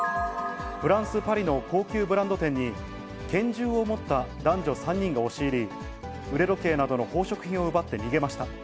フランス・パリの高級ブランド店に、拳銃を持った男女３人が押し入り、腕時計などの宝飾品を奪って逃げました。